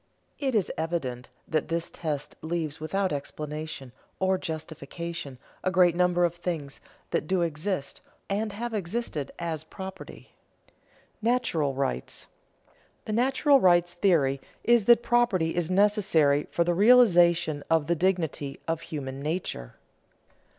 It is evident that this test leaves without explanation or justification a great number of things that do exist and have existed as property. [Sidenote: Natural rights] The natural rights theory is that property is necessary for the realization of the dignity of human nature.